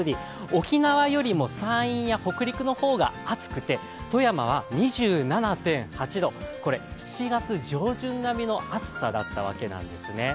沖縄よりも山陰や北陸の方が暑くて、富山は２７．８度、これ、７月上旬並みの暑さだったわけですね。